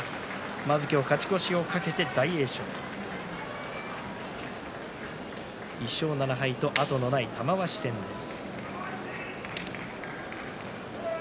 まずは今日、勝ち越しを懸けて大栄翔。１勝７敗と後のない玉鷲との対戦です。